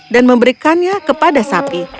dan memberikannya kepada sapi